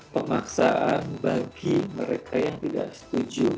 pemaksaan bagi mereka yang tidak setuju